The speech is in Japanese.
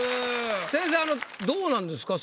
先生どうなんですか？